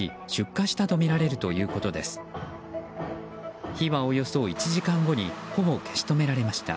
火はおよそ１時間後にほぼ消し止められました。